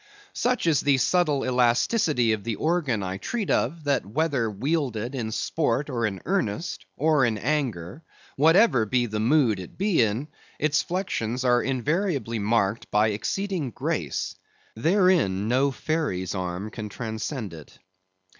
Such is the subtle elasticity of the organ I treat of, that whether wielded in sport, or in earnest, or in anger, whatever be the mood it be in, its flexions are invariably marked by exceeding grace. Therein no fairy's arm can transcend it.